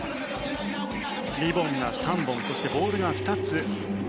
リボンが３本そして、ボールが２つ。